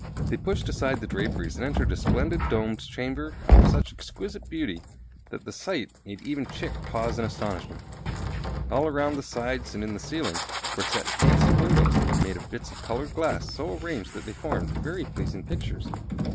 They pushed aside the draperies and entered a splendid domed chamber of such exquisite beauty that the sight made even Chick pause in astonishment. All around the sides and in the ceiling were set handsome windows made of bits of colored glass, so arranged that they formed very pleasing pictures.